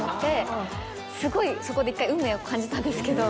すごいそこで一回運命を感じたんですけど。